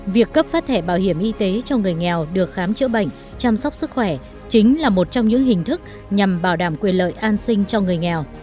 việc cấp phát thẻ bảo hiểm y tế cho người nghèo được khám chữa bệnh chăm sóc sức khỏe chính là một trong những hình thức nhằm bảo đảm quyền lợi an sinh cho người nghèo